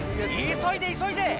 急いで急いで！